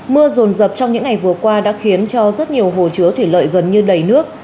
mưa rồn rập trong những ngày vừa qua đã khiến cho rất nhiều hồ chứa thủy lợi gần như đầy nước